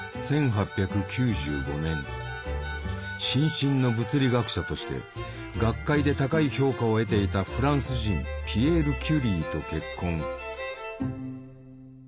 新進の物理学者として学会で高い評価を得ていたフランス人ピエール・キュリーと結婚。